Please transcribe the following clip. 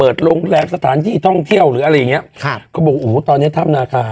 โรงแรมสถานที่ท่องเที่ยวหรืออะไรอย่างเงี้ยค่ะเขาบอกโอ้โหตอนเนี้ยถ้ำนาคา